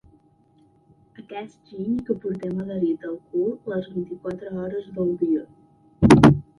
Aquest giny que portem adherit al cul les vint-i-quatre hores del dia.